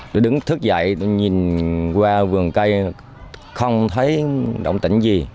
tôi đứng thức dậy tôi nhìn qua vườn cây không thấy động tỉnh gì